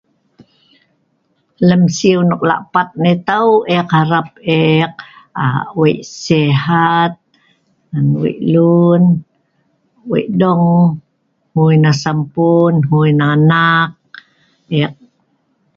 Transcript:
lem siu nok lapat nai tau eek harap eek lak wei sehat ngan wei lun, wei dong hngui nah sempuen, hngui nah anak eek